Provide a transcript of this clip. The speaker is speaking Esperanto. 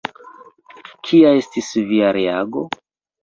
Kia estis via reago?